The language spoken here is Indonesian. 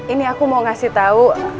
ini aku mau ngasih tahu